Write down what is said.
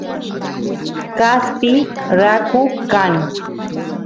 kaspi raku kan